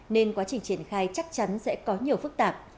nên quá trình triển khai chắc chắn sẽ có nhiều phức tạp